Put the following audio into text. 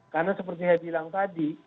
karena seperti saya bilang tadi